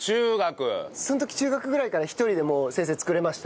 その時中学ぐらいから１人でもう先生作れました？